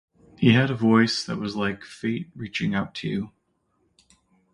He had a voice that was like fate reaching out to you.